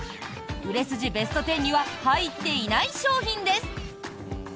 売れ筋ベスト１０には入っていない商品です。